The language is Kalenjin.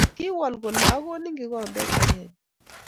kiwol kole akonin kikombet akenge